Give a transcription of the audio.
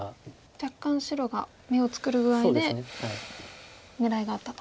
若干白が眼を作る具合で狙いがあったと。